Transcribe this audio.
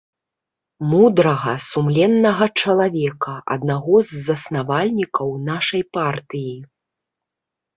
Мудрага, сумленнага чалавека, аднаго з заснавальнікаў нашай партыі.